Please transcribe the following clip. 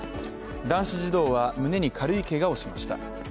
男子児童は胸に軽いけがをしました。